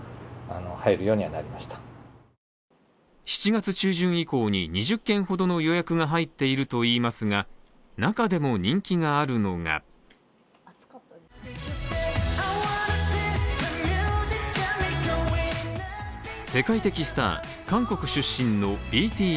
７月中旬以降に２０件ほどの予約が入っているといいますが中でも人気があるのが世界的スター、韓国出身のＢＴＳ。